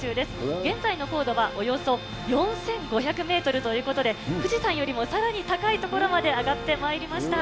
現在の高度はおよそ４５００メートルということで、富士山よりもさらに高い所まで上がってまいりました。